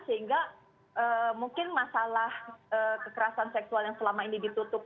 sehingga mungkin masalah kekerasan seksual yang selama ini ditutup